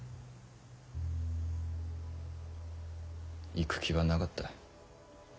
行く気はなかった。